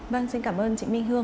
vâng xin cảm ơn chị minh hương